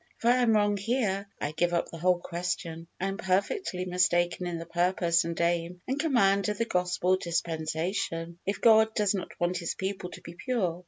If I am wrong here, I give up the whole question. I am perfectly mistaken in the purpose and aim and command of the Gospel dispensation, if God does not want His people to be pure.